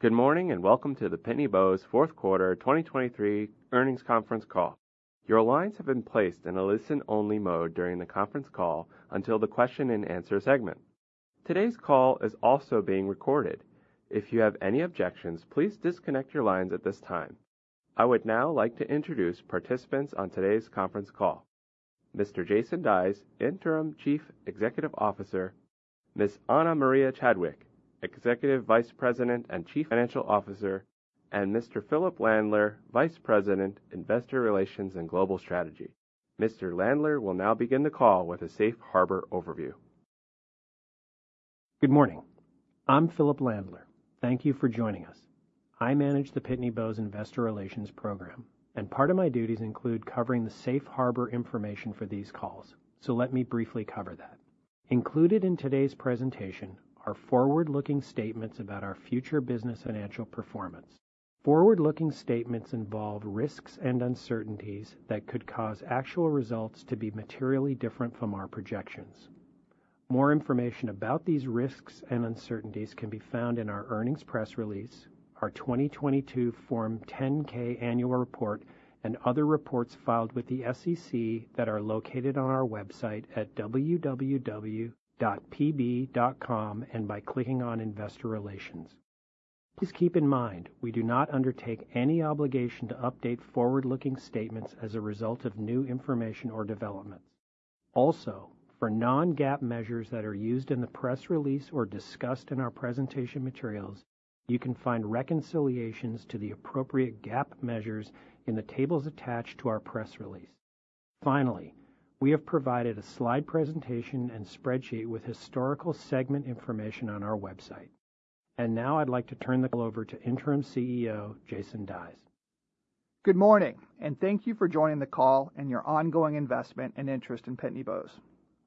Good morning, and welcome to the Pitney Bowes Fourth Quarter 2023 Earnings conference call. Your lines have been placed in a listen-only mode during the conference call until the question-and-answer segment. Today's call is also being recorded. If you have any objections, please disconnect your lines at this time. I would now like to introduce participants on today's conference call. Mr. Jason Dies, Interim Chief Executive Officer, Ms. Ana Maria Chadwick, Executive Vice President and Chief Financial Officer, and Mr. Philip Landler, Vice President, Investor Relations and Global Strategy. Mr. Landler will now begin the call with a safe harbor overview. Good morning. I'm Philip Landler. Thank you for joining us. I manage the Pitney Bowes Investor Relations program, and part of my duties include covering the safe harbor information for these calls, so let me briefly cover that. Included in today's presentation are forward-looking statements about our future business financial performance. Forward-looking statements involve risks and uncertainties that could cause actual results to be materially different from our projections. More information about these risks and uncertainties can be found in our earnings press release, our 2022 Form 10-K Annual Report, and other reports filed with the SEC that are located on our website at www.pb.com and by clicking on Investor Relations. Please keep in mind, we do not undertake any obligation to update forward-looking statements as a result of new information or developments. Also, for non-GAAP measures that are used in the press release or discussed in our presentation materials, you can find reconciliations to the appropriate GAAP measures in the tables attached to our press release. Finally, we have provided a slide presentation and spreadsheet with historical segment information on our website. Now I'd like to turn the call over to Interim CEO, Jason Dies. Good morning, and thank you for joining the call and your ongoing investment and interest in Pitney Bowes.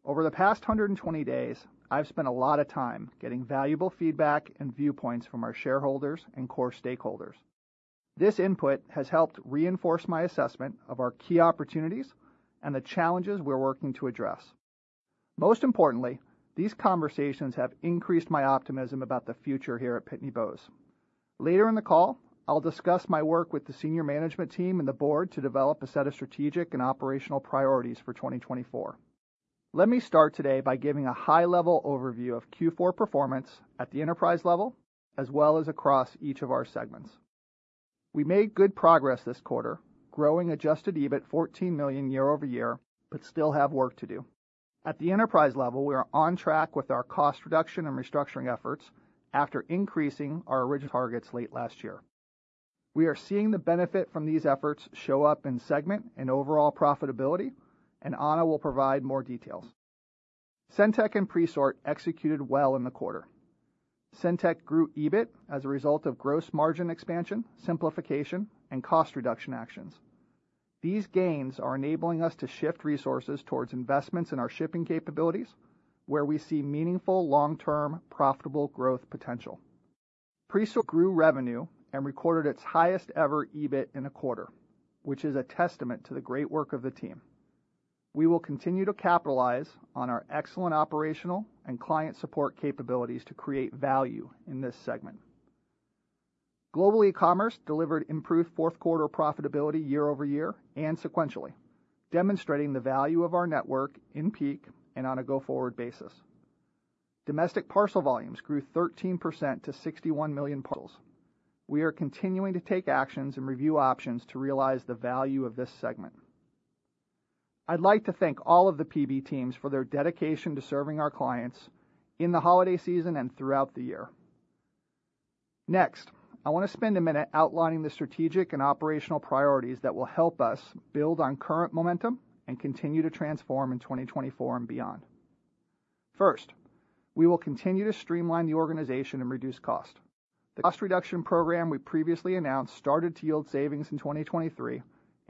Over the past 120 days, I've spent a lot of time getting valuable feedback and viewpoints from our shareholders and core stakeholders. This input has helped reinforce my assessment of our key opportunities and the challenges we're working to address. Most importantly, these conversations have increased my optimism about the future here at Pitney Bowes. Later in the call, I'll discuss my work with the senior management team and the board to develop a set of strategic and operational priorities for 2024. Let me start today by giving a high-level overview of Q4 performance at the enterprise level as well as across each of our segments. We made good progress this quarter, growing Adjusted EBIT $14 million year-over-year, but still have work to do. At the enterprise level, we are on track with our cost reduction and restructuring efforts after increasing our original targets late last year. We are seeing the benefit from these efforts show up in segment and overall profitability, and Ana will provide more details. SendTech and Presort executed well in the quarter. SendTech grew EBIT as a result of gross margin expansion, simplification, and cost reduction actions. These gains are enabling us to shift resources towards investments in our shipping capabilities, where we see meaningful, long-term, profitable growth potential. Presort grew revenue and recorded its highest-ever EBIT in a quarter, which is a testament to the great work of the team. We will continue to capitalize on our excellent operational and client support capabilities to create value in this segment. Global Ecommerce delivered improved fourth quarter profitability year over year and sequentially, demonstrating the value of our network in peak and on a go-forward basis. Domestic Parcel volumes grew 13% to 61 million parcels. We are continuing to take actions and review options to realize the value of this segment. I'd like to thank all of the PB teams for their dedication to serving our clients in the holiday season and throughout the year. Next, I want to spend a minute outlining the strategic and operational priorities that will help us build on current momentum and continue to transform in 2024 and beyond. First, we will continue to streamline the organization and reduce cost. The cost reduction program we previously announced started to yield savings in 2023,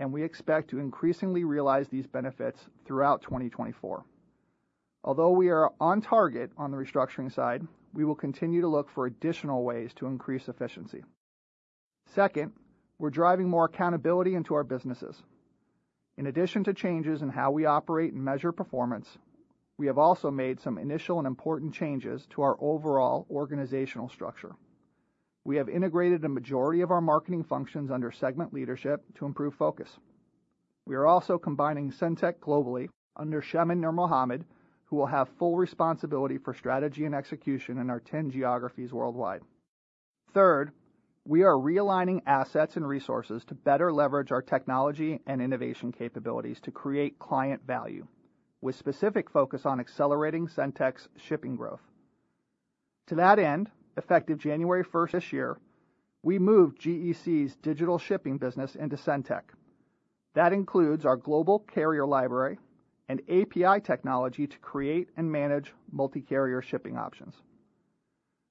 and we expect to increasingly realize these benefits throughout 2024. Although we are on target on the restructuring side, we will continue to look for additional ways to increase efficiency. Second, we're driving more accountability into our businesses. In addition to changes in how we operate and measure performance, we have also made some initial and important changes to our overall organizational structure. We have integrated a majority of our marketing functions under segment leadership to improve focus. We are also combining SendTech globally under Shemin Nurmohamed, who will have full responsibility for strategy and execution in our 10 geographies worldwide. Third, we are realigning assets and resources to better leverage our technology and innovation capabilities to create client value, with specific focus on accelerating SendTech's shipping growth. To that end, effective January first this year, we moved GEC's Digital shipping business into SendTech. That includes our global carrier library and API technology to create and manage multi-carrier shipping options.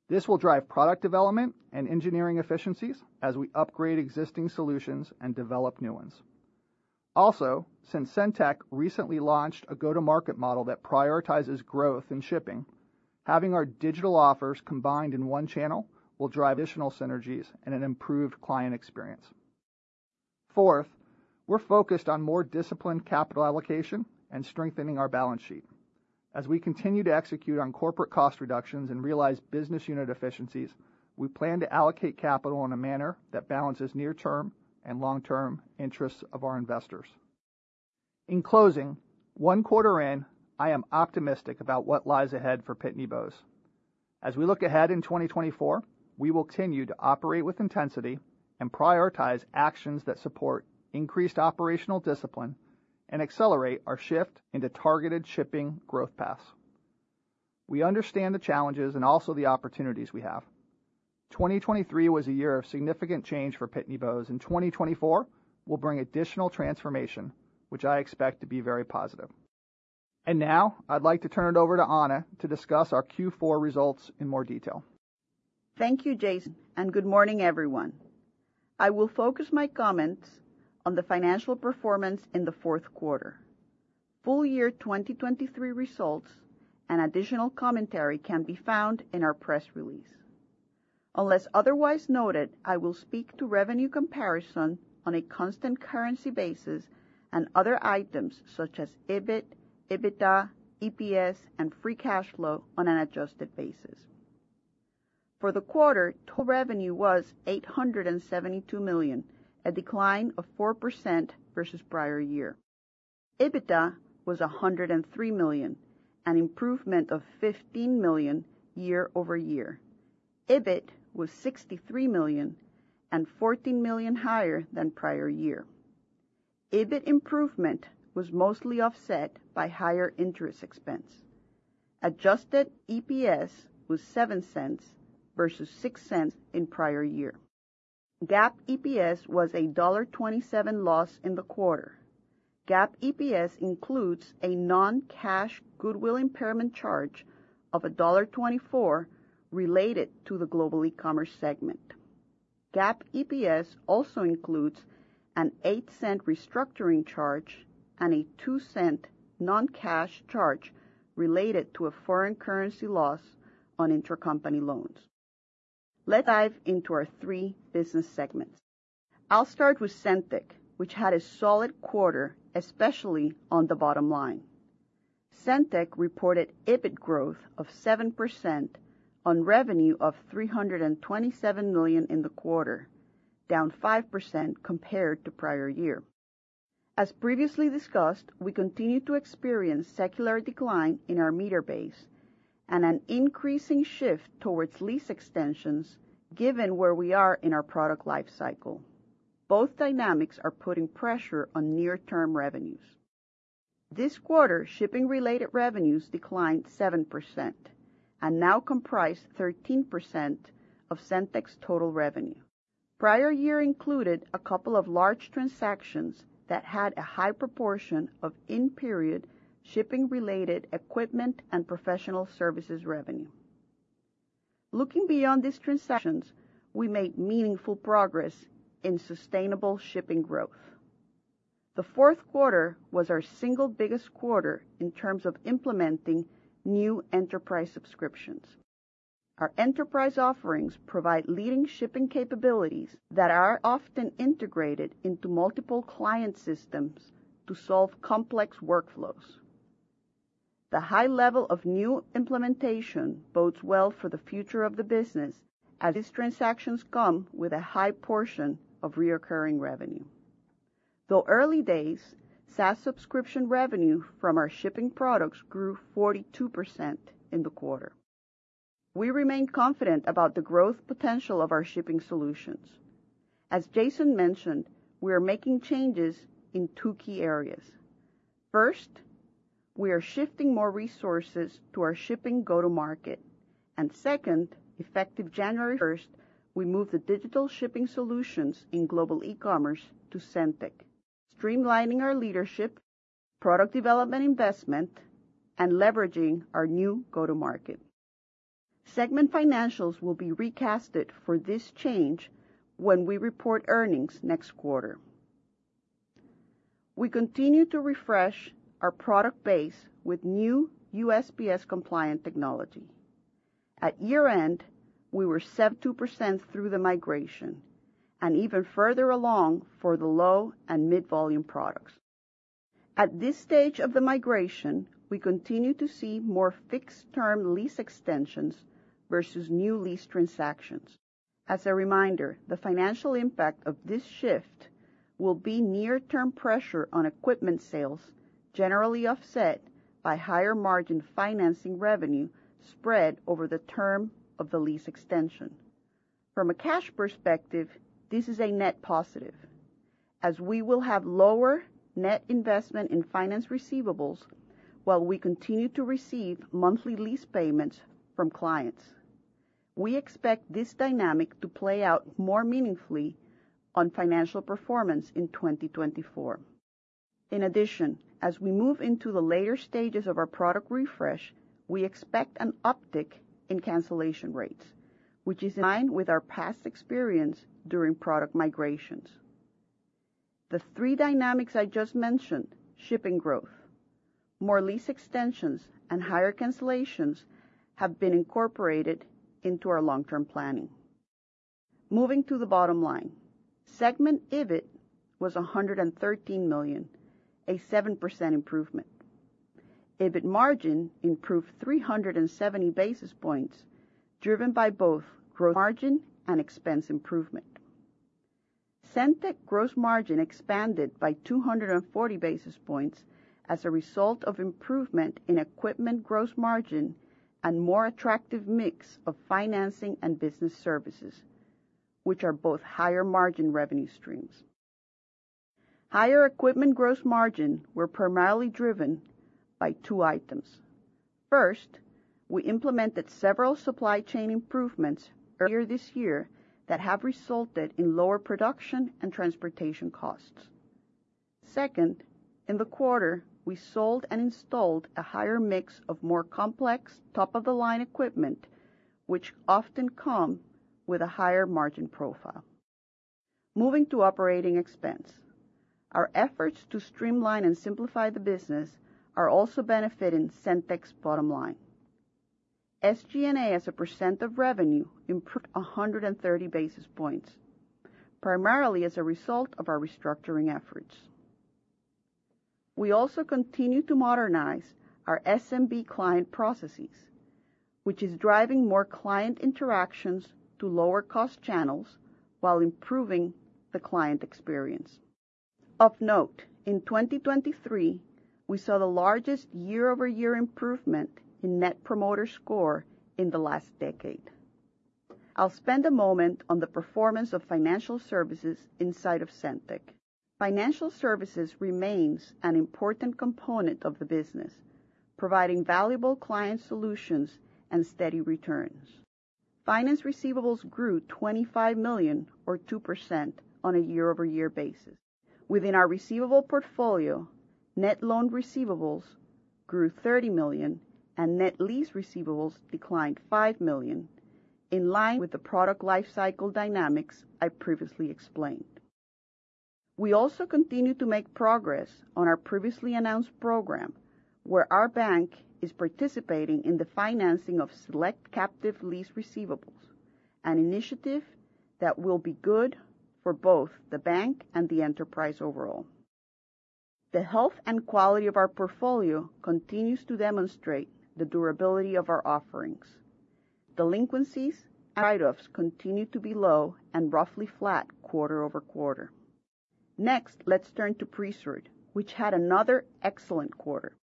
This will drive product development and engineering efficiencies as we upgrade existing solutions and develop new ones. Also, since SendTech recently launched a go-to-market model that prioritizes growth in shipping, having our Digital offers combined in one channel will drive additional synergies and an improved client experience.... Fourth, we're focused on more disciplined capital allocation and strengthening our balance sheet. As we continue to execute on corporate cost reductions and realize business unit efficiencies, we plan to allocate capital in a manner that balances near-term and long-term interests of our investors. In closing, one quarter in, I am optimistic about what lies ahead for Pitney Bowes. As we look ahead in 2024, we will continue to operate with intensity and prioritize actions that support increased operational discipline and accelerate our shift into targeted shipping growth paths. We understand the challenges and also the opportunities we have. 2023 was a year of significant change for Pitney Bowes, and 2024 will bring additional transformation, which I expect to be very positive. Now I'd like to turn it over to Ana to discuss our Q4 results in more detail. Thank you, Jason, and good morning, everyone. I will focus my comments on the financial performance in the fourth quarter. Full-year 2023 results and additional commentary can be found in our press release. Unless otherwise noted, I will speak to revenue comparison on a constant currency basis and other items such as EBIT, EBITDA, EPS, and free cash flow on an adjusted basis. For the quarter, total revenue was $872 million, a decline of 4% versus prior year. EBITDA was $103 million, an improvement of $15 million year-over-year. EBIT was $63 million and $14 million higher than prior year. EBIT improvement was mostly offset by higher interest expense. Adjusted EPS was $0.07 versus $0.06 in prior year. GAAP EPS was a $1.27 loss in the quarter. GAAP EPS includes a non-cash goodwill impairment charge of $1.24 related to the Global Ecommerce segment. GAAP EPS also includes an $0.08 restructuring charge and a $0.02 non-cash charge related to a foreign currency loss on intracompany loans. Let's dive into our three business segments. I'll start with SendTech, which had a solid quarter, especially on the bottom line. SendTech reported EBIT growth of 7% on revenue of $327 million in the quarter, down 5% compared to prior year. As previously discussed, we continue to experience secular decline in our meter base and an increasing shift towards lease extensions, given where we are in our product life cycle. Both dynamics are putting pressure on near-term revenues. This quarter, shipping-related revenues declined 7% and now comprise 13% of SendTech's total revenue. Prior year included a couple of large transactions that had a high proportion of in-period shipping-related equipment and professional services revenue. Looking beyond these transactions, we made meaningful progress in sustainable shipping growth. The fourth quarter was our single biggest quarter in terms of implementing new enterprise subscriptions. Our enterprise offerings provide leading shipping capabilities that are often integrated into multiple client systems to solve complex workflows. The high level of new implementation bodes well for the future of the business, as these transactions come with a high portion of recurring revenue. Though early days, SaaS subscription revenue from our shipping products grew 42% in the quarter. We remain confident about the growth potential of our shipping solutions. As Jason mentioned, we are making changes in two key areas. First, we are shifting more resources to our shipping go-to-market, and second, effective January first, we moved the Digital shipping solutions in Global Ecommerce to SendTech, streamlining our leadership, product development, investment, and leveraging our new go-to-market. Segment financials will be recast for this change when we report earnings next quarter. We continue to refresh our product base with new USPS-compliant technology. At year-end, we were 72% through the migration, and even further along for the low and mid-volume products. At this stage of the migration, we continue to see more fixed-term lease extensions versus new lease transactions. As a reminder, the financial impact of this shift will be near-term pressure on equipment sales, generally offset by higher-margin financing revenue spread over the term of the lease extension. From a cash perspective, this is a net positive, as we will have lower net investment in finance receivables while we continue to receive monthly lease payments from clients. We expect this dynamic to play out more meaningfully on financial performance in 2024. In addition, as we move into the later stages of our product refresh, we expect an uptick in cancellation rates, which is in line with our past experience during product migrations. The three dynamics I just mentioned, shipping growth, more lease extensions and higher cancellations have been incorporated into our long-term planning. Moving to the bottom line. Segment EBIT was $113 million, a 7% improvement. EBIT margin improved 370 basis points, driven by both gross margin and expense improvement. SendTech gross margin expanded by 240 basis points as a result of improvement in equipment gross margin and more attractive mix of financing and business services, which are both higher margin revenue streams. Higher equipment gross margin were primarily driven by two items. First, we implemented several supply chain improvements earlier this year that have resulted in lower production and transportation costs. Second, in the quarter, we sold and installed a higher mix of more complex, top-of-the-line equipment, which often come with a higher margin profile. Moving to operating expense. Our efforts to streamline and simplify the business are also benefiting SendTech's bottom line. SG&A, as a percent of revenue, improved 130 basis points, primarily as a result of our restructuring efforts. We also continue to modernize our SMB client processes, which is driving more client interactions to lower-cost channels while improving the client experience. Of note, in 2023, we saw the largest year-over-year improvement in net promoter score in the last decade. I'll spend a moment on the performance of financial services inside of SendTech. Financial services remains an important component of the business, providing valuable client solutions and steady returns. Finance receivables grew $25 million, or 2%, on a year-over-year basis. Within our receivable portfolio, net loan receivables grew $30 million, and net lease receivables declined $5 million, in line with the product lifecycle dynamics I previously explained. We also continue to make progress on our previously announced program, where our bank is participating in the financing of select captive lease receivables, an initiative that will be good for both the bank and the enterprise overall. The health and quality of our portfolio continues to demonstrate the durability of our offerings. Delinquencies and write-offs continue to be low and roughly flat quarter-over-quarter. Next, let's turn to Presort, which had another excellent quarter.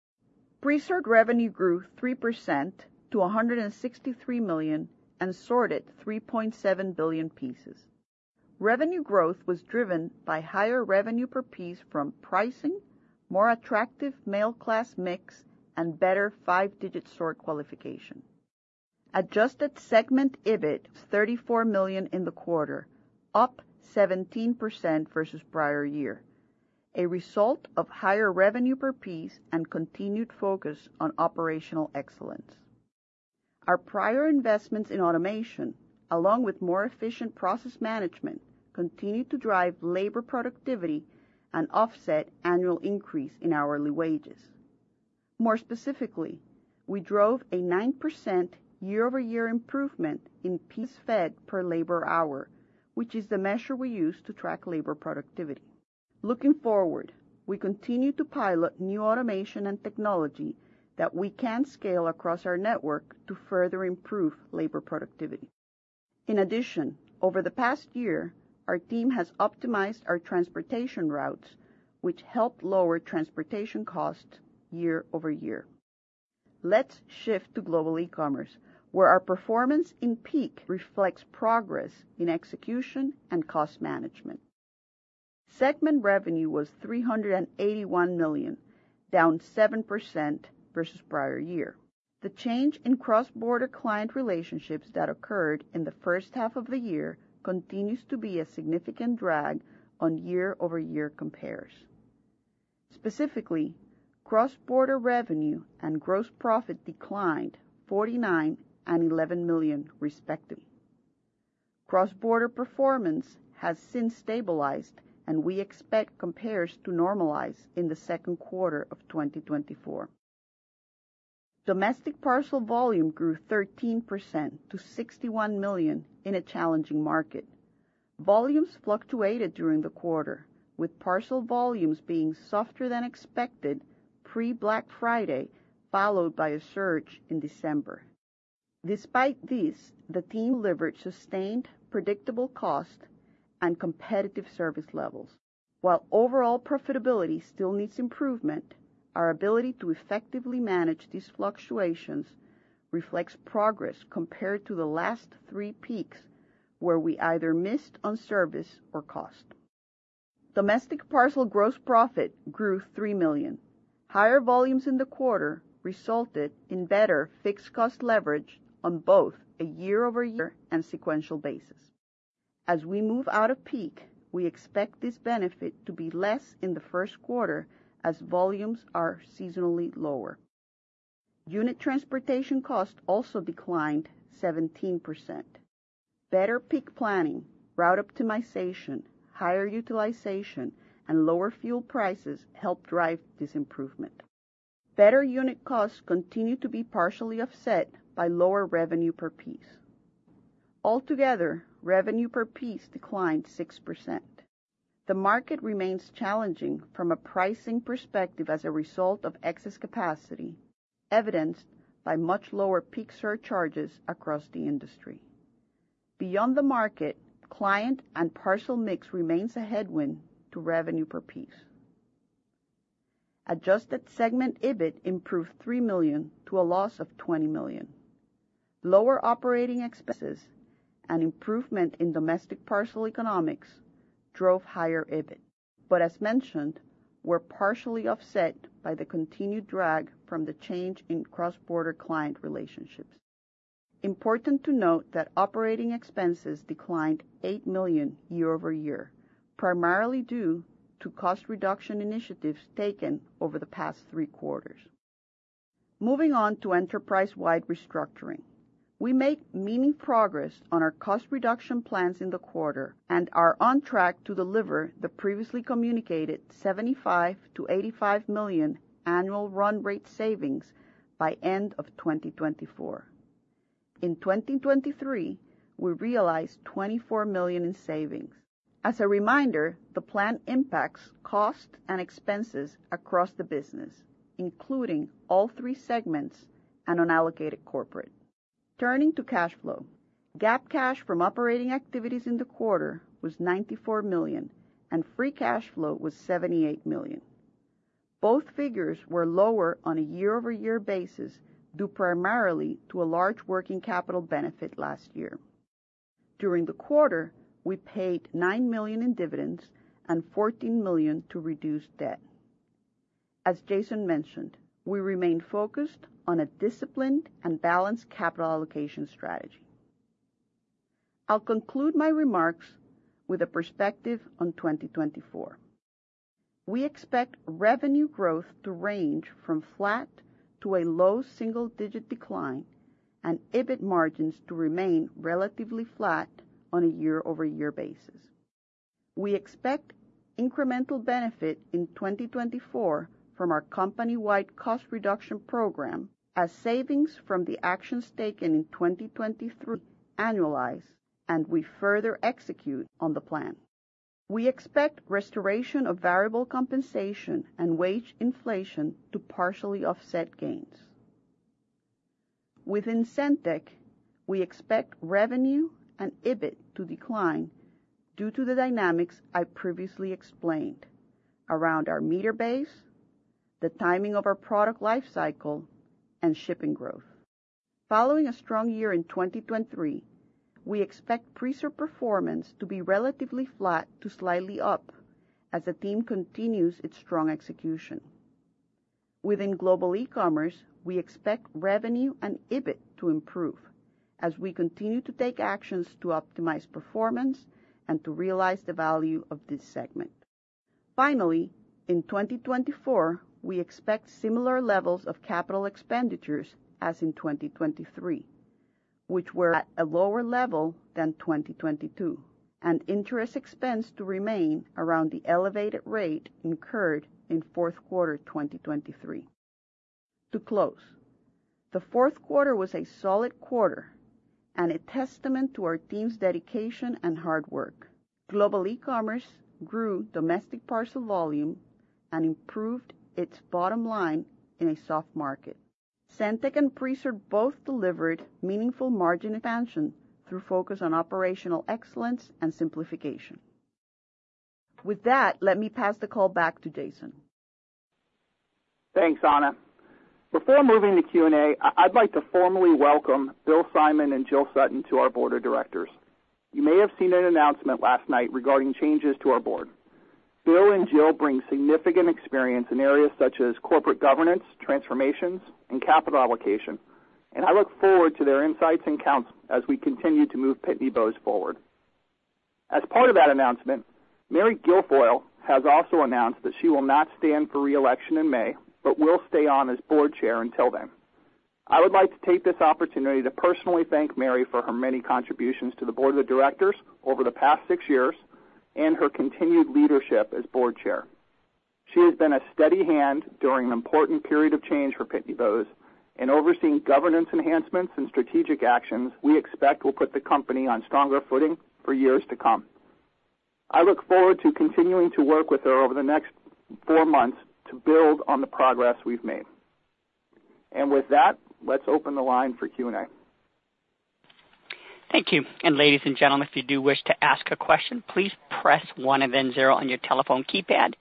Presort revenue grew 3% to $163 million and sorted 3.7 billion pieces. Revenue growth was driven by higher revenue per piece from pricing, more attractive mail class mix, and better five-digit sort qualification. Adjusted segment EBIT, $34 million in the quarter, up 17% versus prior year, a result of higher revenue per piece and continued focus on operational excellence. Our prior investments in automation, along with more efficient process management, continued to drive labor productivity and offset annual increase in hourly wages. More specifically, we drove a 9% year-over-year improvement in piece fed per labor hour, which is the measure we use to track labor productivity. Looking forward, we continue to pilot new automation and technology that we can scale across our network to further improve labor productivity. In addition, over the past year, our team has optimized our transportation routes, which helped lower transportation costs year-over-year. Let's shift to Global Ecommerce, where our performance in peak reflects progress in execution and cost management. Segment revenue was $381 million, down 7% versus prior year. The change in Cross-Border client relationships that occurred in the first half of the year continues to be a significant drag on year-over-year compares. Specifically, Cross-Border revenue and gross profit declined $49 million and $11 million, respectively. Cross-border performance has since stabilized, and we expect compares to normalize in the second quarter of 2024. Domestic Parcel volume grew 13% to 61 million in a challenging market. Volumes fluctuated during the quarter, with parcel volumes being softer than expected pre-Black Friday, followed by a surge in December. Despite this, the team delivered sustained, predictable cost and competitive service levels. While overall profitability still needs improvement, our ability to effectively manage these fluctuations reflects progress compared to the last three peaks, where we either missed on service or cost. Domestic Parcel gross profit grew $3 million. Higher volumes in the quarter resulted in better fixed cost leverage on both a year-over-year and sequential basis. As we move out of peak, we expect this benefit to be less in the first quarter as volumes are seasonally lower. Unit transportation cost also declined 17%. Better peak planning, route optimization, higher utilization, and lower fuel prices helped drive this improvement. Better unit costs continue to be partially offset by lower revenue per piece. Altogether, revenue per piece declined 6%. The market remains challenging from a pricing perspective as a result of excess capacity, evidenced by much lower peak surcharges across the industry. Beyond the market, client and parcel mix remains a headwind to revenue per piece. Adjusted segment EBIT improved $3 million to a loss of $20 million. Lower operating expenses and improvement in Domestic Parcel economics drove higher EBIT, but as mentioned, were partially offset by the continued drag from the change in Cross-Border client relationships. Important to note that operating expenses declined $8 million year-over-year, primarily due to cost reduction initiatives taken over the past three quarters. Moving on to enterprise-wide restructuring. We made meaningful progress on our cost reduction plans in the quarter and are on track to deliver the previously communicated $75 million-$85 million annual run rate savings by end of 2024. In 2023, we realized $24 million in savings. As a reminder, the plan impacts costs and expenses across the business, including all three segments and unallocated corporate. Turning to cash flow. GAAP cash from operating activities in the quarter was $94 million, and free cash flow was $78 million. Both figures were lower on a year-over-year basis, due primarily to a large working capital benefit last year. During the quarter, we paid $9 million in dividends and $14 million to reduce debt. As Jason mentioned, we remain focused on a disciplined and balanced capital allocation strategy. I'll conclude my remarks with a perspective on 2024. We expect revenue growth to range from flat to a low-single digit decline and EBIT margins to remain relatively flat on a year-over-year basis. We expect incremental benefit in 2024 from our company-wide cost reduction program as savings from the actions taken in 2023 annualize, and we further execute on the plan. We expect restoration of variable compensation and wage inflation to partially offset gains. Within SendTech, we expect revenue and EBIT to decline due to the dynamics I previously explained around our meter base, the timing of our product life cycle, and shipping growth. Following a strong year in 2023, we expect Presort performance to be relatively flat to slightly up as the team continues its strong execution. Within Global Ecommerce, we expect revenue and EBIT to improve as we continue to take actions to optimize performance and to realize the value of this segment. Finally, in 2024, we expect similar levels of capital expenditures as in 2023, which were at a lower level than 2022, and interest expense to remain around the elevated rate incurred in fourth quarter 2023. To close, the fourth quarter was a solid quarter and a testament to our team's dedication and hard work. Global Ecommerce grew Domestic Parcel volume and improved its bottom line in a soft market. SendTech and Presort both delivered meaningful margin expansion through focus on operational excellence and simplification. With that, let me pass the call back to Jason. Thanks, Ana. Before moving to Q&A, I'd like to formally welcome Bill Simon and Jill Sutton to our board of directors. You may have seen an announcement last night regarding changes to our board. Bill and Jill bring significant experience in areas such as corporate governance, transformations, and capital allocation, and I look forward to their insights and counsel as we continue to move Pitney Bowes forward. As part of that announcement, Mary Guilfoile has also announced that she will not stand for re-election in May, but will stay on as board chair until then. I would like to take this opportunity to personally thank Mary for her many contributions to the board of directors over the past six years and her continued leadership as board chair. She has been a steady hand during an important period of change for Pitney Bowes, and overseeing governance enhancements and strategic actions we expect will put the company on stronger footing for years to come. I look forward to continuing to work with her over the next four months to build on the progress we've made. And with that, let's open the line for Q&A. Thank you. And ladies and gentlemen, if you do wish to ask a question, please press one and then zero on your telephone keypad.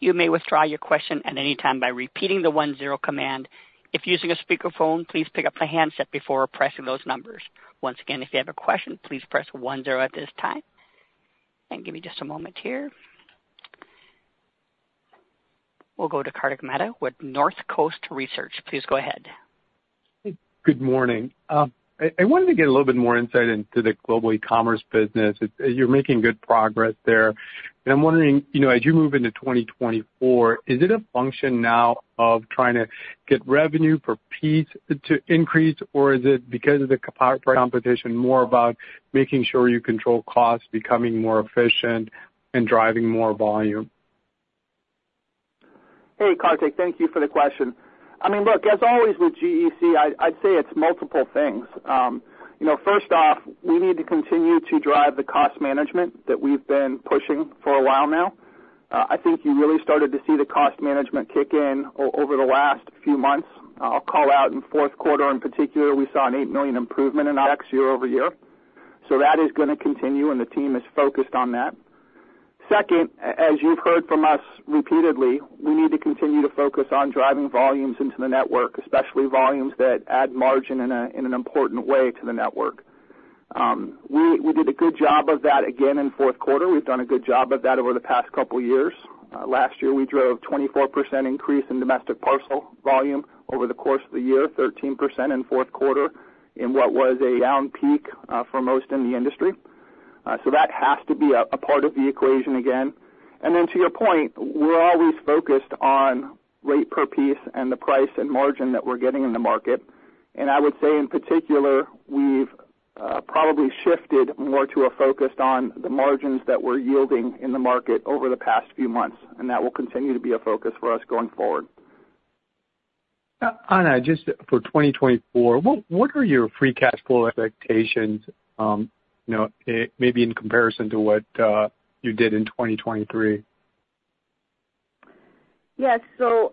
You may withdraw your question at any time by repeating the one-zero command. If using a speakerphone, please pick up the handset before pressing those numbers. Once again, if you have a question, please press one zero at this time. And give me just a moment here. We'll go to Kartik Mehta with Northcoast Research. Please go ahead. Good morning. I wanted to get a little bit more insight into the Global Ecommerce business. You're making good progress there. And I'm wondering, you know, as you move into 2024, is it a function now of trying to get revenue per piece to increase, or is it because of the competition more about making sure you control costs, becoming more efficient and driving more volume? Hey, Kartik, thank you for the question. I mean, look, as always, with GEC, I'd say it's multiple things. You know, first off, we need to continue to drive the cost management that we've been pushing for a while now. I think you really started to see the cost management kick in over the last few months. I'll call out in fourth quarter in particular, we saw an $8 million improvement in OpEx year-over-year. So that is gonna continue, and the team is focused on that. Second, as you've heard from us repeatedly, we need to continue to focus on driving volumes into the network, especially volumes that add margin in an important way to the network. We did a good job of that again in fourth quarter. We've done a good job of that over the past couple of years. Last year, we drove 24% increase in Domestic Parcel volume over the course of the year, 13% in fourth quarter, in what was a down peak for most in the industry. So that has to be a part of the equation again. And then to your point, we're always focused on rate per piece and the price and margin that we're getting in the market. And I would say in particular, we've probably shifted more to a focus on the margins that we're yielding in the market over the past few months, and that will continue to be a focus for us going forward. Ana, just for 2024, what, what are your free cash flow expectations, you know, maybe in comparison to what you did in 2023? Yes. So,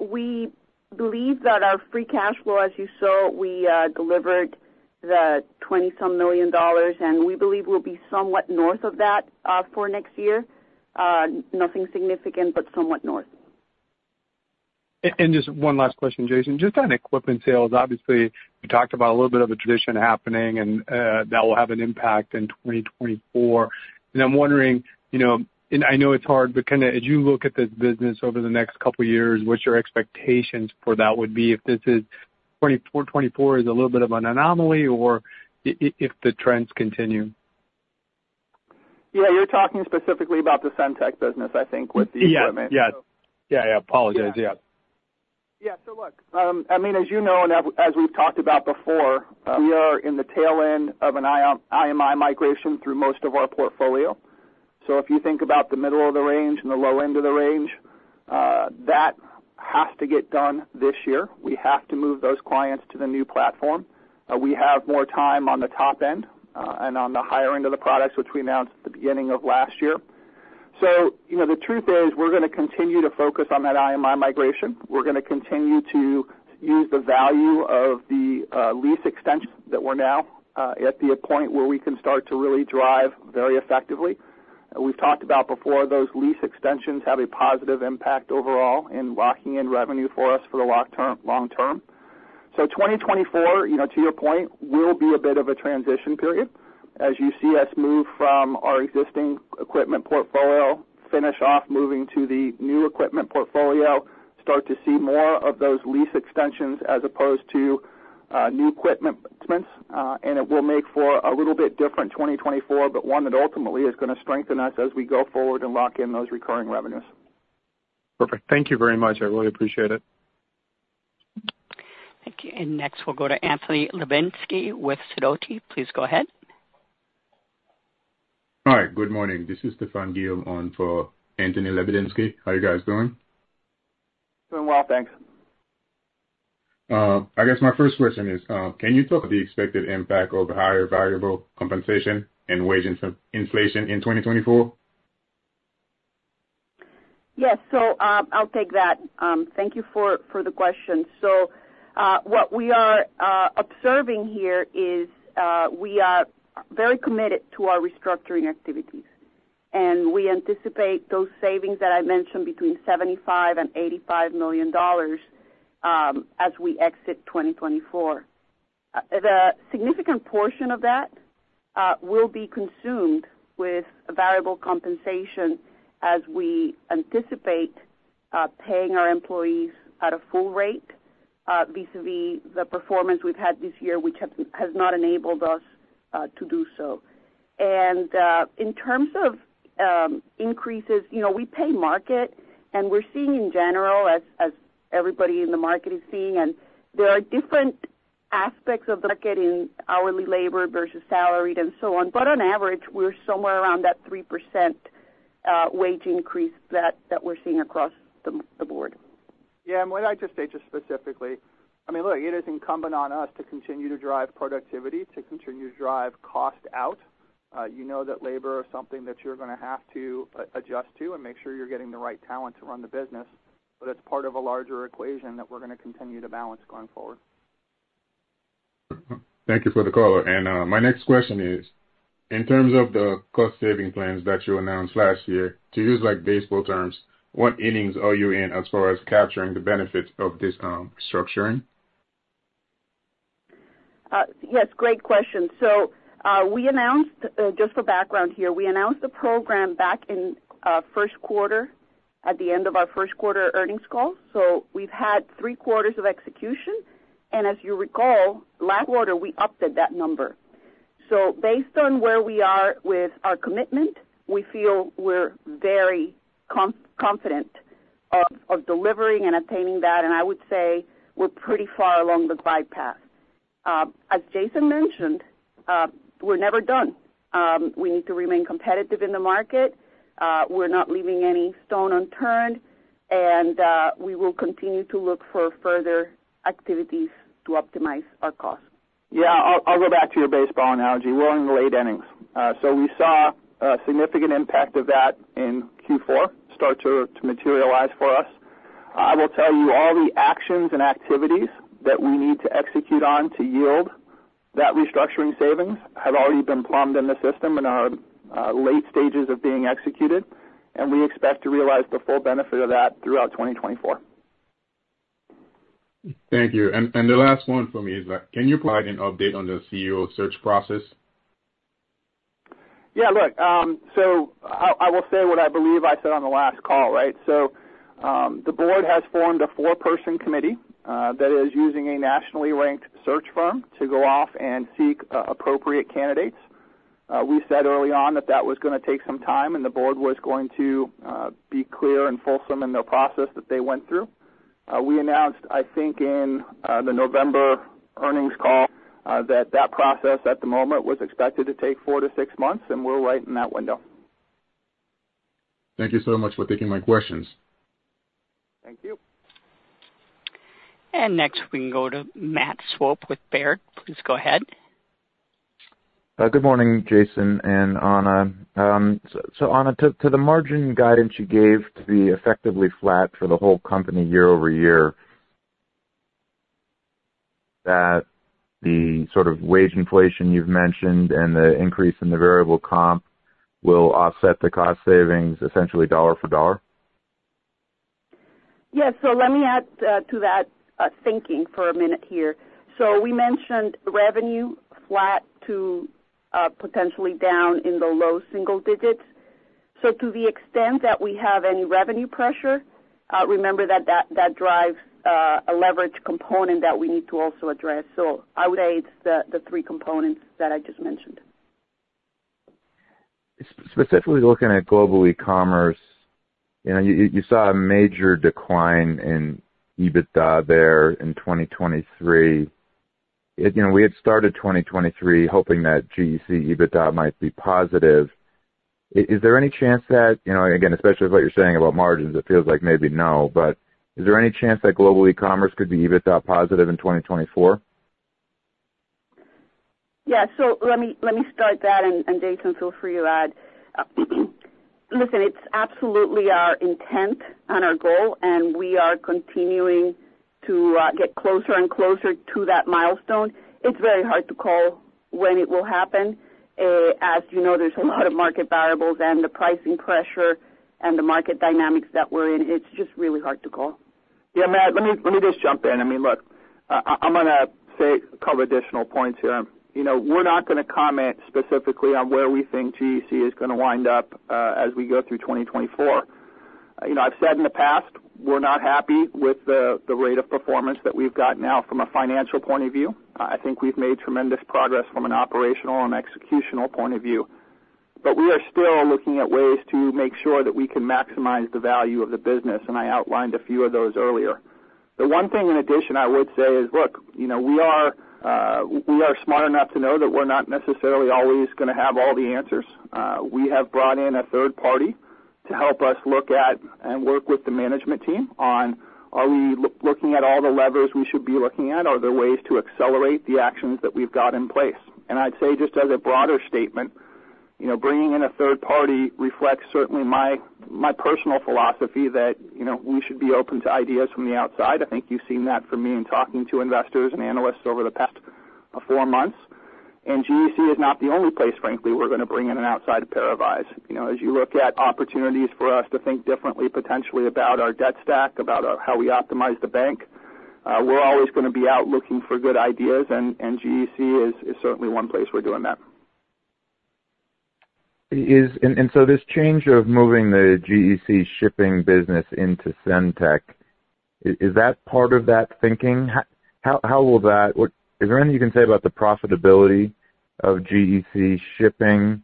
we believe that our free cash flow, as you saw, we delivered the $20-some million, and we believe we'll be somewhat north of that, for next year. Nothing significant, but somewhat north. And just one last question, Jason. Just on equipment sales, obviously, you talked about a little bit of a transition happening, and that will have an impact in 2024. And I'm wondering, you know, and I know it's hard, but kind of as you look at this business over the next couple of years, what's your expectations for that would be if this is 2024, 2024 is a little bit of an anomaly or if the trends continue? Yeah, you're talking specifically about the SendTech business, I think, with the equipment. Yeah. Yeah. Yeah, I apologize. Yeah. Yeah. So look, I mean, as you know, and as we've talked about before, we are in the tail end of an IMI migration through most of our portfolio. So if you think about the middle of the range and the low end of the range, that has to get done this year. We have to move those clients to the new platform. We have more time on the top end, and on the higher end of the products, which we announced at the beginning of last year. So you know, the truth is, we're gonna continue to focus on that IMI migration. We're gonna continue to use the value of the lease extension that we're now at the point where we can start to really drive very effectively. We've talked about before, those lease extensions have a positive impact overall in locking in revenue for us for the long term, long term. So 2024, you know, to your point, will be a bit of a transition period as you see us move from our existing equipment portfolio, finish off moving to the new equipment portfolio, start to see more of those lease extensions as opposed to new equipment, and it will make for a little bit different 2024, but one that ultimately is gonna strengthen us as we go forward and lock in those recurring revenues. Perfect. Thank you very much. I really appreciate it. Thank you. Next, we'll go to Anthony Lebiedzinski with Sidoti. Please go ahead. Hi, good morning. This is Stephane Guillaume on for Anthony Lebiedzinski. How are you guys doing? Doing well, thanks. I guess my first question is, can you talk about the expected impact of higher variable compensation and wage inflation in 2024? Yes. So, I'll take that. Thank you for the question. So, what we are observing here is, we are very committed to our restructuring activities, and we anticipate those savings that I mentioned between $75 million and $85 million, as we exit 2024. The significant portion of that will be consumed with variable compensation as we anticipate paying our employees at a full rate, vis-à-vis the performance we've had this year, which has not enabled us to do so. And in terms of increases, you know, we pay market, and we're seeing in general, as everybody in the market is seeing, and there are different aspects of the market in hourly labor versus salaried and so on. On average, we're somewhere around that 3% wage increase that we're seeing across the board. Yeah, and what I'd just say just specifically, I mean, look, it is incumbent on us to continue to drive productivity, to continue to drive cost out. You know, that labor is something that you're gonna have to adjust to and make sure you're getting the right talent to run the business, but it's part of a larger equation that we're gonna continue to balance going forward. Thank you for the color. My next question is, in terms of the cost saving plans that you announced last year, to use like baseball terms, what innings are you in as far as capturing the benefits of this, restructuring? Yes, great question. So, we announced, just for background here, we announced the program back in first quarter, at the end of our first quarter earnings call. So we've had three quarters of execution, and as you recall, last quarter, we upped that number. So based on where we are with our commitment, we feel we're very confident of delivering and attaining that, and I would say we're pretty far along the glide path. As Jason mentioned, we're never done. We need to remain competitive in the market. We're not leaving any stone unturned, and we will continue to look for further activities to optimize our costs. Yeah, I'll go back to your baseball analogy. We're in the late innings. So we saw a significant impact of that in Q4 start to, to materialize for us. I will tell you, all the actions and activities that we need to execute on to yield that restructuring savings have already been plumbed in the system and are late stages of being executed, and we expect to realize the full benefit of that throughout 2024. Thank you. And the last one for me is that can you provide an update on the CEO search process? Yeah, look, so I will say what I believe I said on the last call, right? So, the board has formed a four-person committee that is using a nationally ranked search firm to go off and seek appropriate candidates. We said early on that that was gonna take some time, and the board was going to be clear and fulsome in their process that they went through. We announced, I think, in the November earnings call that that process at the moment was expected to take four to six months, and we're right in that window. Thank you so much for taking my questions. Thank you. Next, we can go to Matt Swope with Baird. Please go ahead. Good morning, Jason and Ana. Ana, to the margin guidance you gave to be effectively flat for the whole company year-over-year, that the sort of wage inflation you've mentioned and the increase in the variable comp will offset the cost savings, essentially dollar for dollar? Yes, so let me add to that, thinking for a minute here. So we mentioned revenue flat to potentially down in the low single digits. So to the extent that we have any revenue pressure, remember that that drives a leverage component that we need to also address. So I would say it's the three components that I just mentioned. Specifically looking at Global Ecommerce, you know, you saw a major decline in EBITDA there in 2023. You know, we had started 2023 hoping that GEC EBITDA might be positive. Is there any chance that, you know, again, especially with what you're saying about margins, it feels like maybe no, but is there any chance that Global Ecommerce could be EBITDA positive in 2024? Yeah. So let me, let me start that, and, and Jason, feel free to add. Listen, it's absolutely our intent and our goal, and we are continuing to get closer and closer to that milestone. It's very hard to call when it will happen. As you know, there's a lot of market variables and the pricing pressure and the market dynamics that we're in. It's just really hard to call. Yeah, Matt, let me, let me just jump in. I mean, look, I'm gonna say, cover additional points here. You know, we're not gonna comment specifically on where we think GEC is gonna wind up, as we go through 2024. You know, I've said in the past, we're not happy with the rate of performance that we've got now from a financial point of view. I think we've made tremendous progress from an operational and executional point of view. But we are still looking at ways to make sure that we can maximize the value of the business, and I outlined a few of those earlier. The one thing in addition, I would say, is, look, you know, we are, we are smart enough to know that we're not necessarily always gonna have all the answers. We have brought in a third party to help us look at and work with the management team on, are we looking at all the levers we should be looking at? Are there ways to accelerate the actions that we've got in place? And I'd say, just as a broader statement, you know, bringing in a third party reflects certainly my personal philosophy that, you know, we should be open to ideas from the outside. I think you've seen that from me in talking to investors and analysts over the past four months. And GEC is not the only place, frankly, we're gonna bring in an outside pair of eyes. You know, as you look at opportunities for us to think differently, potentially about our debt stack, about how we optimize the bank, we're always gonna be out looking for good ideas, and GEC is certainly one place we're doing that. Is and so this change of moving the GEC shipping business into SendTech, is that part of that thinking? How will that... What? Is there anything you can say about the profitability of GEC shipping?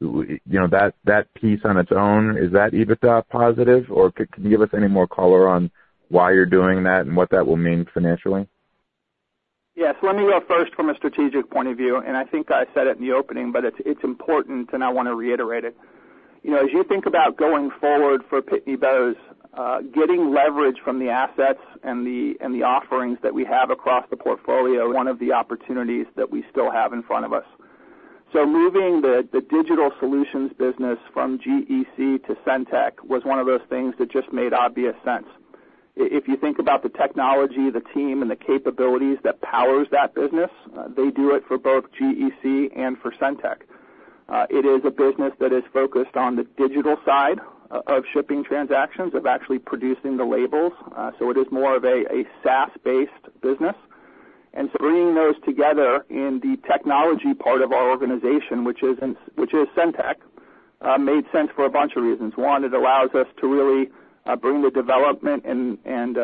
You know, that piece on its own, is that EBITDA positive, or can you give us any more color on why you're doing that and what that will mean financially? Yes. Let me go first from a strategic point of view, and I think I said it in the opening, but it's important, and I want to reiterate it. You know, as you think about going forward for Pitney Bowes, getting leverage from the assets and the offerings that we have across the portfolio, one of the opportunities that we still have in front of us. So moving the Digital solutions business from GEC to SendTech was one of those things that just made obvious sense. If you think about the technology, the team, and the capabilities that powers that business, they do it for both GEC and for SendTech. It is a business that is focused on the Digital side of shipping transactions, of actually producing the labels. So it is more of a SaaS-based business. And so bringing those together in the technology part of our organization, which is SendTech, made sense for a bunch of reasons. One, it allows us to really bring the development and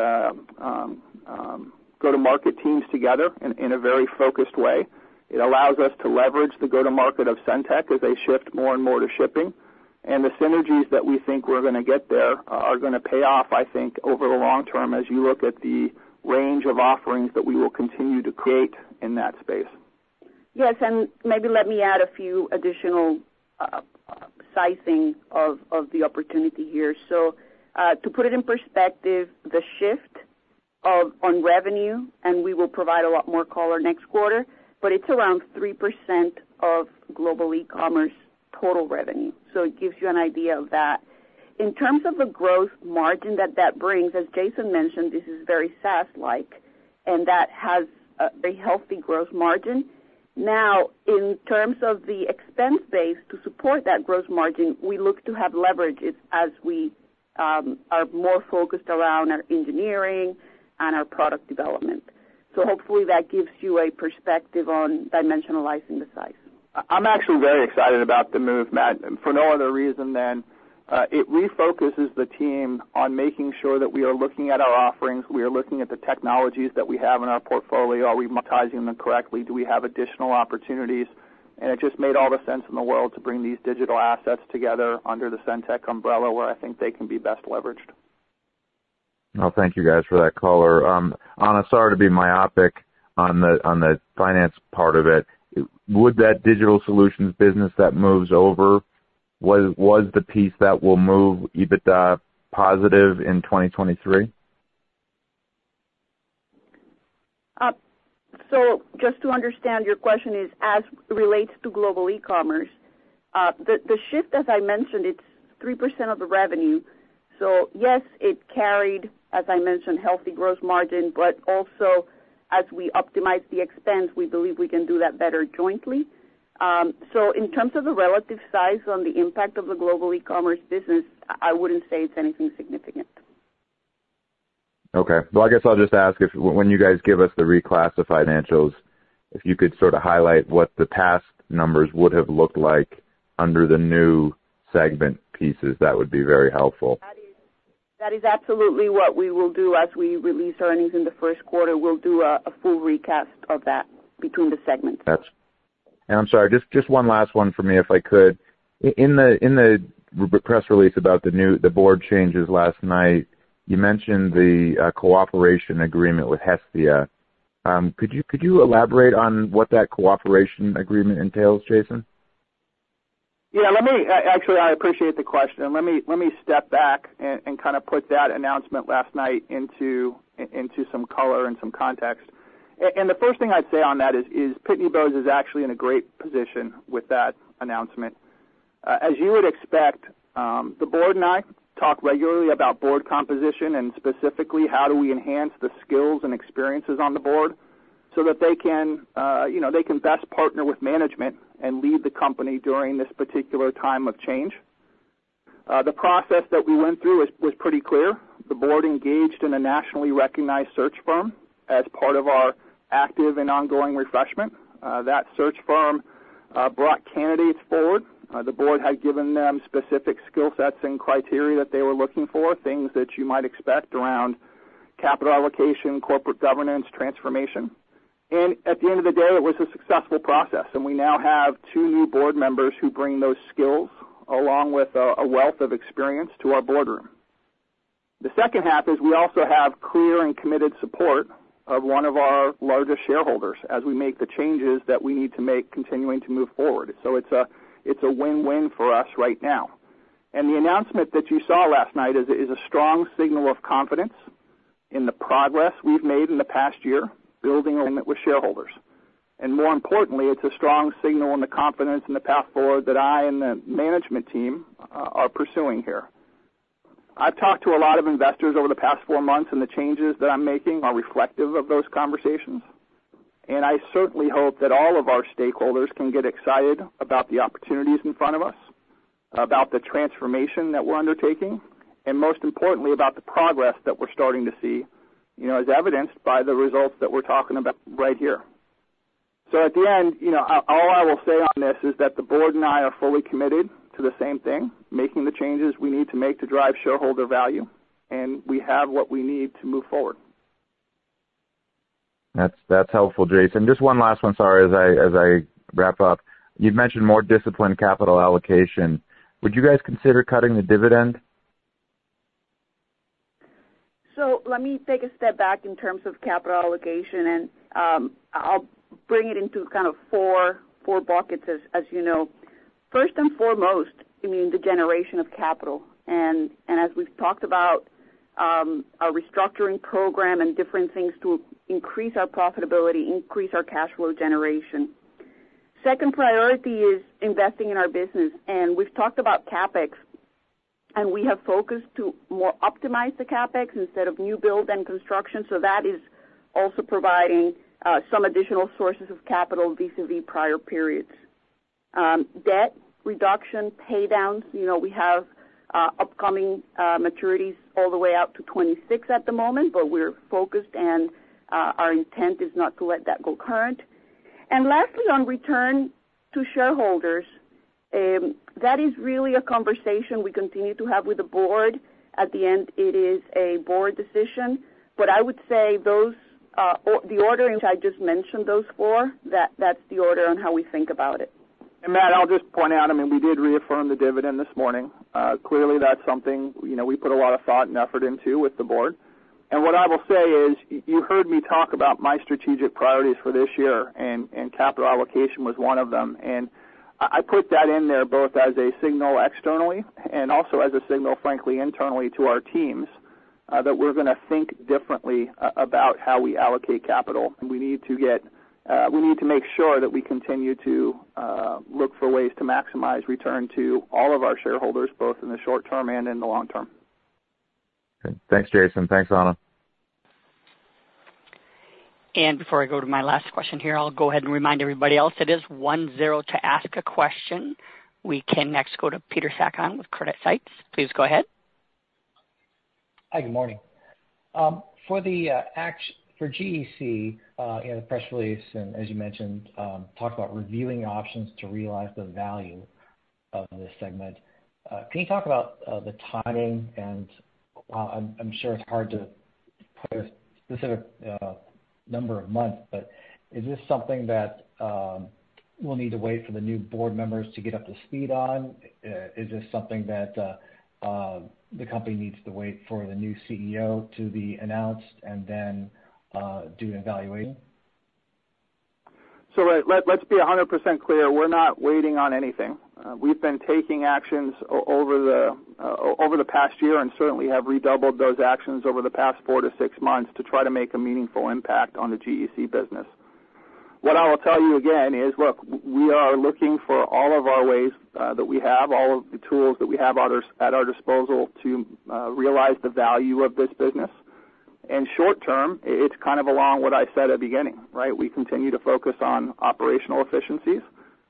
go-to-market teams together in a very focused way. It allows us to leverage the go-to-market of SendTech as they shift more and more to shipping. And the synergies that we think we're gonna get there are gonna pay off, I think, over the long term, as you look at the range of offerings that we will continue to create in that space. Yes, and maybe let me add a few additional sizing of the opportunity here. So, to put it in perspective, the shift on revenue, and we will provide a lot more color next quarter, but it's around 3% of Global Ecommerce total revenue. So it gives you an idea of that. In terms of the growth margin that that brings, as Jason mentioned, this is very SaaS-like, and that has a healthy growth margin. Now, in terms of the expense base to support that growth margin, we look to have leverages as we are more focused around our engineering and our product development. So hopefully that gives you a perspective on dimensionalizing the size. I'm actually very excited about the move, Matt, for no other reason than it refocuses the team on making sure that we are looking at our offerings, we are looking at the technologies that we have in our portfolio. Are we monetizing them correctly? Do we have additional opportunities? And it just made all the sense in the world to bring these Digital assets together under the SendTech umbrella, where I think they can be best leveraged. Well, thank you guys for that color. Ana, sorry to be myopic on the finance part of it. Would that Digital solutions business that moves over was the piece that will move EBITDA positive in 2023? So just to understand, your question is as it relates to Global Ecommerce, the shift, as I mentioned, it's 3% of the revenue. So yes, it carried, as I mentioned, healthy gross margin, but also, as we optimize the expense, we believe we can do that better jointly. So in terms of the relative size on the impact of the Global Ecommerce business, I wouldn't say it's anything significant. Okay. Well, I guess I'll just ask if, when you guys give us the reclassified financials, if you could sort of highlight what the past numbers would have looked like under the new segment pieces, that would be very helpful. That is absolutely what we will do as we release our earnings in the first quarter. We'll do a full recast of that between the segments. I'm sorry, just one last one for me, if I could. In the press release about the board changes last night, you mentioned the cooperation agreement with Hestia. Could you elaborate on what that cooperation agreement entails, Jason? Yeah, let me... actually, I appreciate the question. Let me step back and kind of put that announcement last night into some color and some context. And the first thing I'd say on that is Pitney Bowes is actually in a great position with that announcement. As you would expect, the board and I talk regularly about board composition, and specifically, how do we enhance the skills and experiences on the board so that they can, you know, they can best partner with management and lead the company during this particular time of change. The process that we went through was pretty clear. The board engaged in a nationally recognized search firm as part of our active and ongoing refreshment. That search firm brought candidates forward. The board had given them specific skill sets and criteria that they were looking for, things that you might expect around capital allocation, corporate governance, transformation. And at the end of the day, it was a successful process, and we now have two new board members who bring those skills, along with a wealth of experience to our boardroom. The second half is we also have clear and committed support of one of our largest shareholders as we make the changes that we need to make, continuing to move forward. So it's a win-win for us right now. And the announcement that you saw last night is a strong signal of confidence in the progress we've made in the past year, building alignment with shareholders. More importantly, it's a strong signal in the confidence and the path forward that I and the management team are pursuing here. I've talked to a lot of investors over the past four months, and the changes that I'm making are reflective of those conversations. I certainly hope that all of our stakeholders can get excited about the opportunities in front of us, about the transformation that we're undertaking, and most importantly, about the progress that we're starting to see, you know, as evidenced by the results that we're talking about right here. At the end, you know, all, all I will say on this is that the board and I are fully committed to the same thing, making the changes we need to make to drive shareholder value, and we have what we need to move forward. That's helpful, Jason. Just one last one, sorry, as I wrap up. You've mentioned more disciplined capital allocation. Would you guys consider cutting the dividend? So let me take a step back in terms of capital allocation, and I'll bring it into kind of four buckets, as you know. First and foremost, I mean, the generation of capital, and as we've talked about, our restructuring program and different things to increase our profitability, increase our cash flow generation. Second priority is investing in our business, and we've talked about CapEx, and we have focused to more optimize the CapEx instead of new build and construction. So that is also providing some additional sources of capital vis-à-vis prior periods. Debt reduction, pay downs, you know, we have upcoming maturities all the way out to 2026 at the moment, but we're focused and our intent is not to let that go current. And lastly, on return to shareholders, that is really a conversation we continue to have with the board. At the end, it is a board decision, but I would say those, or the order in which I just mentioned those four, that's the order on how we think about it. And Matt, I'll just point out, I mean, we did reaffirm the dividend this morning. Clearly, that's something, you know, we put a lot of thought and effort into with the board. And what I will say is, you heard me talk about my strategic priorities for this year, and capital allocation was one of them. And I put that in there both as a signal externally and also as a signal, frankly, internally to our teams, that we're gonna think differently about how we allocate capital. And we need to make sure that we continue to look for ways to maximize return to all of our shareholders, both in the short term and in the long term. Okay. Thanks, Jason. Thanks, Ana. Before I go to my last question here, I'll go ahead and remind everybody else it is one, zero to ask a question. We can next go to Peter Sakon with CreditSights. Please go ahead. Hi, good morning. For GEC, in the press release, and as you mentioned, talked about reviewing options to realize the value of this segment. Can you talk about the timing? And, I'm sure it's hard to put a specific number of months, but is this something that we'll need to wait for the new board members to get up to speed on? Is this something that the company needs to wait for the new CEO to be announced and then do an evaluation? So let's be 100% clear, we're not waiting on anything. We've been taking actions over the past year, and certainly have redoubled those actions over the past four to six months to try to make a meaningful impact on the GEC business. What I will tell you again is, look, we are looking for all of our ways that we have, all of the tools that we have at our disposal to realize the value of this business. And short term, it's kind of along what I said at the beginning, right? We continue to focus on operational efficiencies.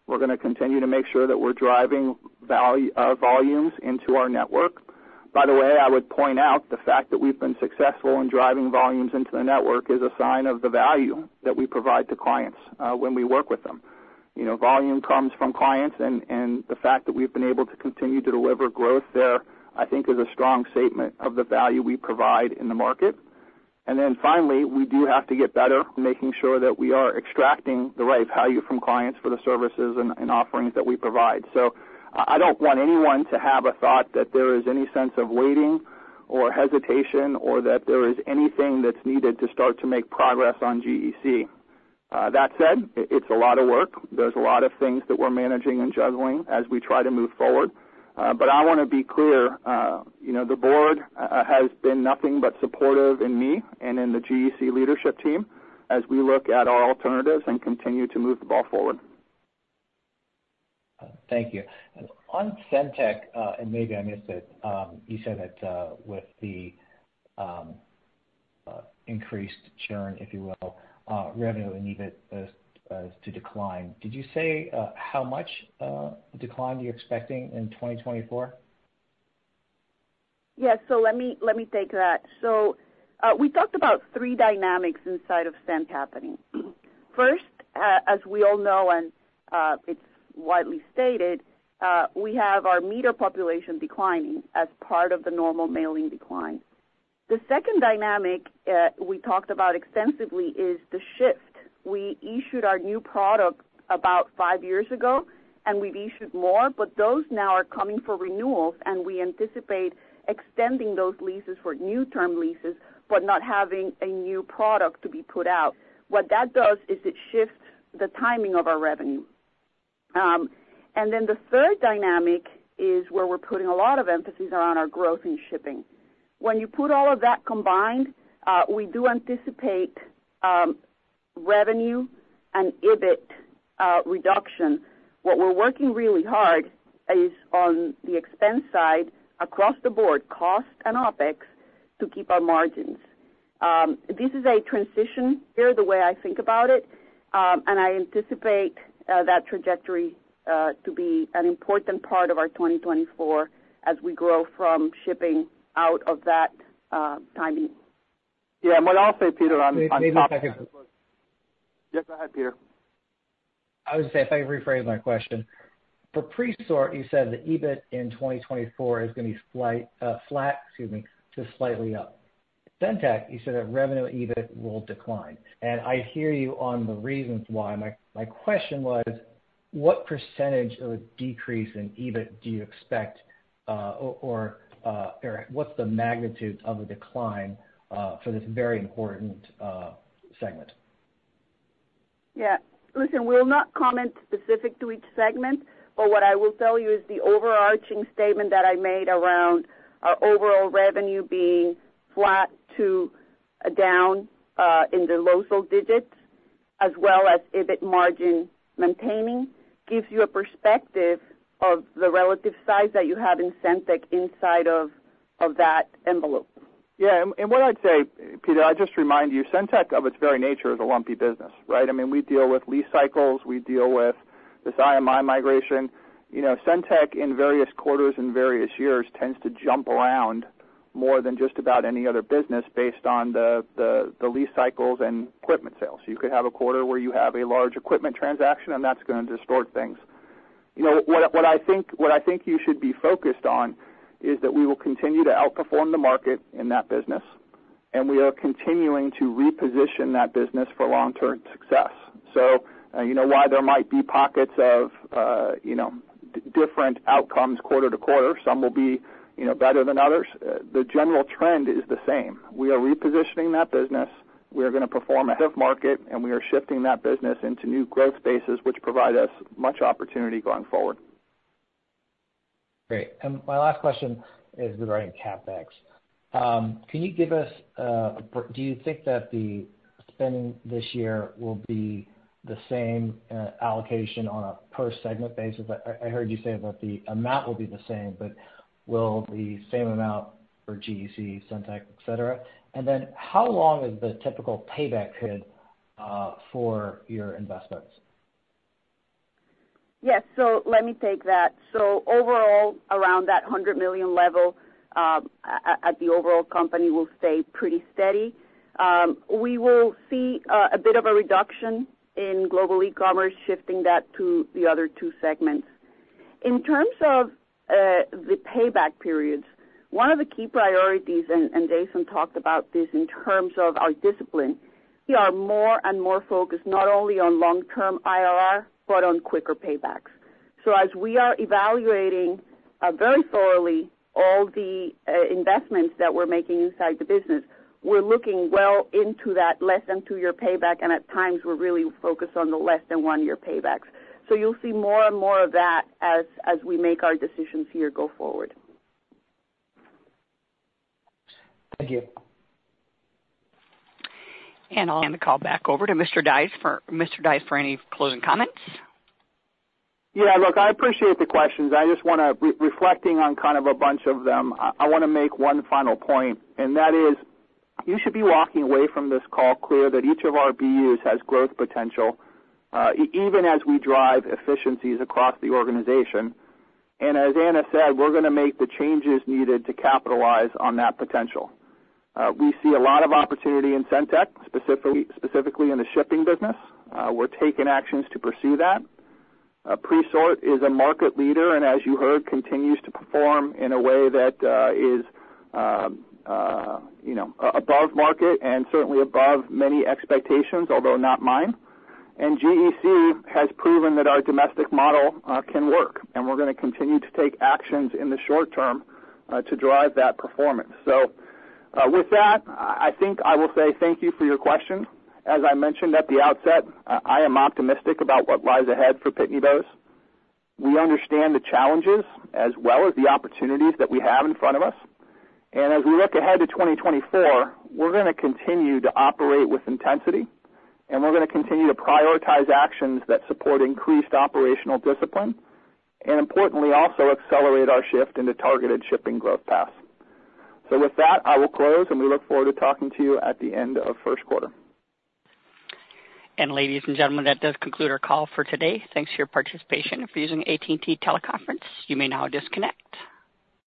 We're gonna continue to make sure that we're driving value volumes into our network. By the way, I would point out the fact that we've been successful in driving volumes into the network is a sign of the value that we provide to clients, when we work with them. You know, volume comes from clients, and, and the fact that we've been able to continue to deliver growth there, I think, is a strong statement of the value we provide in the market. And then finally, we do have to get better, making sure that we are extracting the right value from clients for the services and, and offerings that we provide. So I, I don't want anyone to have a thought that there is any sense of waiting or hesitation, or that there is anything that's needed to start to make progress on GEC. That said, it's a lot of work. There's a lot of things that we're managing and juggling as we try to move forward. But I wanna be clear, you know, the board has been nothing but supportive in me and in the GEC leadership team as we look at our alternatives and continue to move the ball forward. Thank you. On SendTech, and maybe I missed it, you said that with the increased churn, if you will, revenue and EBIT to decline. Did you say how much decline you're expecting in 2024? Yes. So let me, let me take that. So, we talked about three dynamics inside of SendTech happening. First, as we all know, and, it's widely stated, we have our meter population declining as part of the normal mailing decline. The second dynamic, we talked about extensively is the shift. We issued our new product about five years ago, and we've issued more, but those now are coming for renewals, and we anticipate extending those leases for new term leases, but not having a new product to be put out. What that does is it shifts the timing of our revenue. And then the third dynamic is where we're putting a lot of emphasis on our growth in shipping. When you put all of that combined, we do anticipate, revenue and EBIT, reduction. What we're working really hard is on the expense side, across the board, cost and OpEx, to keep our margins. This is a transition here, the way I think about it, and I anticipate that trajectory to be an important part of our 2024 as we grow from shipping out of that timing. Yeah. And what I'll say, Peter, on top- Maybe if I could- Yes, go ahead, Peter. I would say, if I could rephrase my question. For Presort, you said the EBIT in 2024 is gonna be flat, excuse me, to slightly up. SendTech, you said that revenue EBIT will decline. And I hear you on the reasons why. My question was, what percentage of a decrease in EBIT do you expect, or what's the magnitude of the decline for this very important segment? Yeah. Listen, we'll not comment specific to each segment, but what I will tell you is the overarching statement that I made around our overall revenue being flat to down in the low single digits as well as EBIT margin maintaining, gives you a perspective of the relative size that you have in SendTech inside of that envelope? Yeah, and what I'd say, Peter, I'll just remind you, SendTech, of its very nature, is a lumpy business, right? I mean, we deal with lease cycles. We deal with this IMI migration. You know, SendTech, in various quarters and various years, tends to jump around more than just about any other business based on the lease cycles and equipment sales. You could have a quarter where you have a large equipment transaction, and that's gonna distort things. You know, what I think you should be focused on is that we will continue to outperform the market in that business, and we are continuing to reposition that business for long-term success. So, you know, while there might be pockets of, you know, different outcomes quarter to quarter, some will be, you know, better than others, the general trend is the same. We are repositioning that business. We are gonna perform ahead of market, and we are shifting that business into new growth spaces, which provide us much opportunity going forward. Great. My last question is regarding CapEx. Can you give us, do you think that the spending this year will be the same allocation on a per-segment basis? I heard you say that the amount will be the same, but will the same amount for GEC, SendTech, et cetera? And then how long is the typical payback period for your investments? Yes, so let me take that. So overall, around that $100 million level, the overall company will stay pretty steady. We will see a bit of a reduction in Global Ecommerce, shifting that to the other two segments. In terms of the payback periods, one of the key priorities, and Jason talked about this in terms of our discipline, we are more and more focused not only on long-term IRR, but on quicker paybacks. So as we are evaluating very thoroughly all the investments that we're making inside the business, we're looking well into that less than two-year payback, and at times, we're really focused on the less than 1-year paybacks. So you'll see more and more of that as we make our decisions here go forward. Thank you. I'll hand the call back over to Mr. Dies for any closing comments. Yeah, look, I appreciate the questions. I just wanna, reflecting on kind of a bunch of them, I wanna make one final point, and that is, you should be walking away from this call clear that each of our BUs has growth potential, even as we drive efficiencies across the organization. And as Ana said, we're gonna make the changes needed to capitalize on that potential. We see a lot of opportunity in SendTech, specifically, specifically in the shipping business. We're taking actions to pursue that. Presort is a market leader, and as you heard, continues to perform in a way that, is, you know, above market and certainly above many expectations, although not mine. And GEC has proven that our domestic model can work, and we're gonna continue to take actions in the short term to drive that performance. So, with that, I think I will say thank you for your questions. As I mentioned at the outset, I am optimistic about what lies ahead for Pitney Bowes. We understand the challenges as well as the opportunities that we have in front of us. And as we look ahead to 2024, we're gonna continue to operate with intensity, and we're gonna continue to prioritize actions that support increased operational discipline, and importantly, also accelerate our shift into targeted shipping growth paths. So with that, I will close, and we look forward to talking to you at the end of first quarter. Ladies and gentlemen, that does conclude our call for today. Thanks for your participation. If you're using AT&T Teleconference, you may now disconnect.